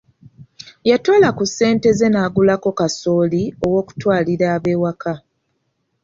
Yatoola ku ssente ze n'agulako kasooli ow'okutwalalira ab'ewaka.